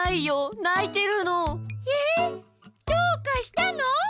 えっどうかしたの？